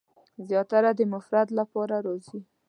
زیاتره د مفرد لپاره راځي.